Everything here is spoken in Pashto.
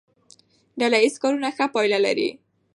ډله ییز کارونه ښه پایله لري.